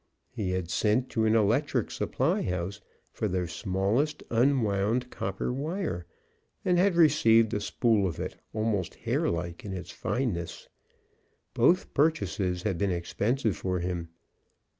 He had sent to an electrical supply house for their smallest unwound copper wire, and had received a spool of it, almost hairlike in its fineness. Both purchases had been expensive for him.